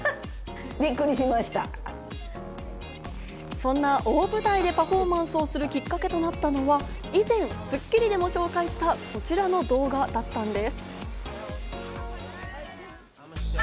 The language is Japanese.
そんな大舞台でパフォーマンスをするきっかけとなったのは以前『スッキリ』でも紹介したこちらの動画だったんです。